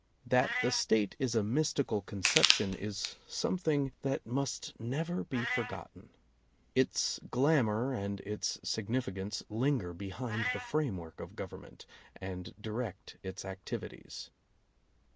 That the State is a mystical conception is something that [ Ho] must never be forgotten. Its glamor and its sig nificance linger behind the framework of Gov ernment and direct its activities.